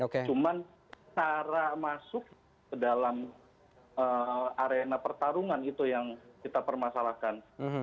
cuman cara masuk ke dalam arena pertarungan itu yang kita permasalahkan